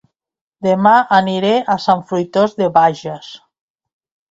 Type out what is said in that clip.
Dema aniré a Sant Fruitós de Bages